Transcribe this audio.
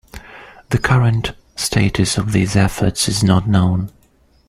The current status of these efforts is not known.